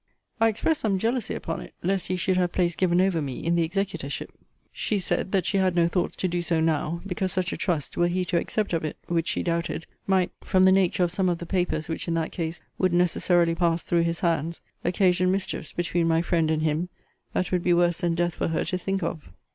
I expressed some jealousy upon it, lest he should have place given over me in the executorship. She said, That she had no thoughts to do so now; because such a trust, were he to accept of it, (which she doubted,) might, from the nature of some of the papers which in that case would necessarily pass through his hands, occasion mischiefs between my friend and him, that would be worse than death for her to think of.